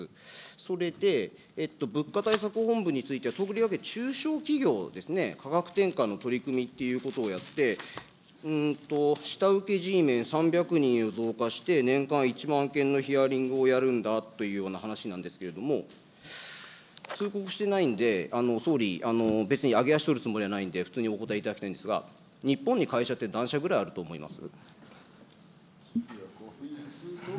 それで、物価対策本部について、とりわけ中小企業ですね、価格転嫁の取り組みということをやって、下請けＧメン３００人を増加して年間１万件のヒアリングをやるんだというような話なんですけれども、通告してないんで、総理、別に揚げ足取るつもりはないんで、普通にお答えいただきたいんですが、日本に会社って何社ぐらいあると思います。